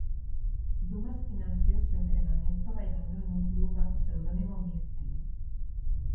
Dumas financió su entrenamiento bailando en un club bajo seudónimo Misty.